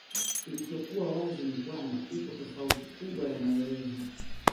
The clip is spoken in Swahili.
Kilichokuwa wazi ni kwamba ipo tofauti kubwa ya maelezo